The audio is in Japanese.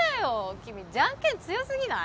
君じゃんけん強すぎない？